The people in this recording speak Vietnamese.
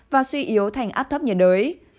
và suy yếu thành áp thấp nhiệt đới